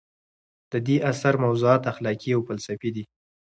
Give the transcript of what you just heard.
د دې اثر موضوعات اخلاقي او فلسفي دي.